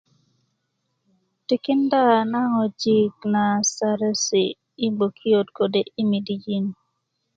tikinda na ŋojik na saresi' yi gbokiot kode' yi medijin